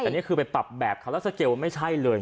แต่นี่คือไปปรับแบบเขาแล้วสเกลไม่ใช่เลย